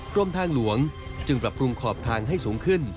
กรมทางหลวงจึงปรับปรุงขอบทางให้สูงขึ้น